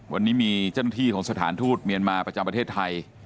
วันนี้มีเจ้าหน้าที่ของสถานทูตเมียนมาประจำประเทศไทย